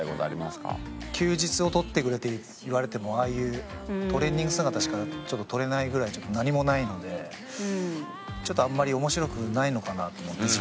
休日を撮ってくれって言われてもああいうトレーニング姿しか撮れないぐらい何もないのであんまり面白くないのかなと思って自分自身が。